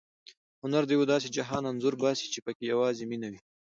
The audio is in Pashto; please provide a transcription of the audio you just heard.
هنر د یو داسې جهان انځور باسي چې پکې یوازې مینه وي.